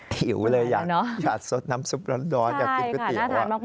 หิวเลยอยากสดน้ำซุปร้อนอยากกินก๋วยเตี๋ยว